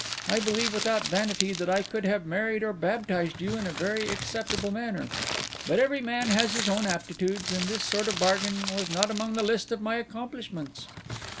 I believe without vanity that I could have married or baptized you in a very acceptable manner; but every man has his own aptitudes, and this sort of bargain was not among the list of my accomplishments."